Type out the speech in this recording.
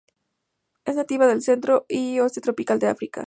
Es nativa del centro y oeste tropical de África.